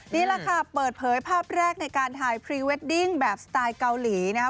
นี่แหละค่ะเปิดเผยภาพแรกในการถ่ายพรีเวดดิ้งแบบสไตล์เกาหลีนะครับ